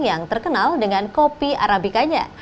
yang terkenal dengan kopi arabikanya